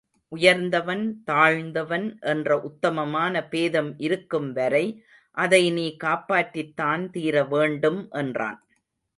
உயர்ந்தவன் தாழ்ந்தவன் என்ற உத்தமமான பேதம் இருக்கும் வரை அதை நீ காப்பாற்றித்தான் தீரவேண்டும் என்றான்.